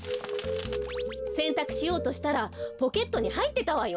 せんたくしようとしたらポケットにはいってたわよ。